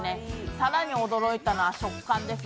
更に驚いたのは食感です。